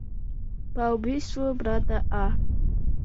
по убийству брата А.